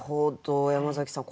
山崎さん